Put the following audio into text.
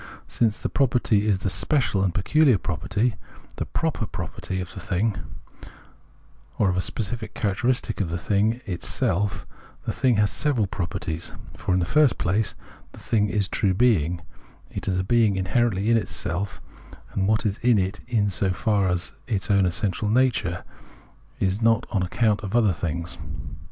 Since the pro perty is the special and peculiar property [the proper property] of, the thing, or a specific characteristic in the thing itself, the thing has several properties. For, in the first place, the thing is true being, is a being in herently in itself ; and what is in it is so as its own essential nature, and not on account of other things.